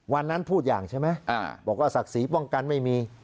วันนั้นพูดอย่างใช่ไหมบอกว่าศักดิ์ศรีป้องกันไม่มี